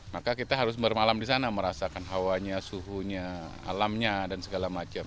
maka kita harus bermalam di sana merasakan hawanya suhunya alamnya dan segala macam